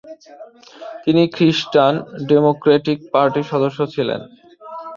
তিনি খ্রিস্টান ডেমোক্রেটিক পার্টির সদস্য ছিলেন।